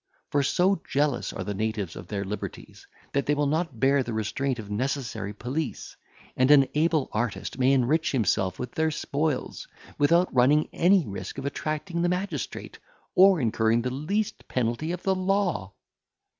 For so jealous are the natives of their liberties, that they will not bear the restraint of necessary police, and an able artist may enrich himself with their spoils, without running any risk of attracting the magistrate, or incurring the least penalty of the law.